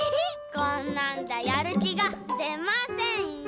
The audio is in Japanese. こんなんじゃやるきがでませんよ！